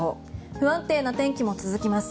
不安定な天気も続きます。